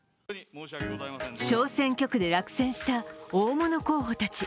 小選挙区で落選した大物候補たち。